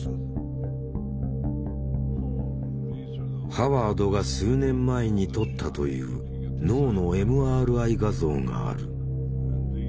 ハワードが数年前に撮ったという脳のＭＲＩ画像がある。